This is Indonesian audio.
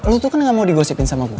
lo tuh kan gak mau digosipin sama gue